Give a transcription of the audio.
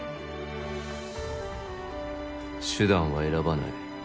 手段は選ばない。